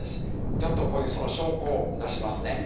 ちょっとここにその証拠を出しますね。